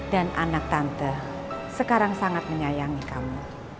dan anak tante sekarang sangat menyayangi kamu